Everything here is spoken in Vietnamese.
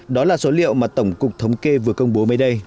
đó là số liệu mà tổng cục thống kê vừa công bố mới đây